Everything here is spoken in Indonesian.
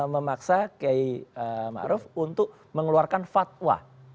memaksa kei makruf untuk mengeluarkan fatwa